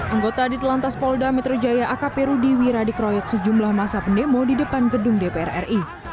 anggota di atlantis paul d'ametro jaya akp rudy wiradi keroyok sejumlah masa pendemo di depan gedung dprri